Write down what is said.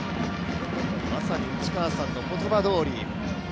まさに内川さんの言葉どおり。